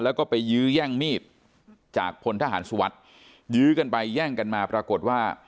แล้วก็ไปยื้อแย่งมีดจากพลทหารสุวัสดิ์ยื้อกันไปแย่งกันมาปรากฏว่า